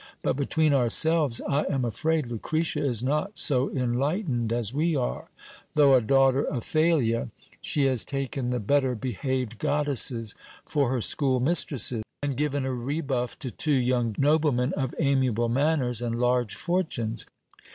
But, between our selves, I am afraid Lucretia is not so enlightened as we are ; though a daughter of Thalia, she has taken the better behaved goddesses for her school mistresses, and given a rebuff to two young noblemen of amiable manners and large for tunes.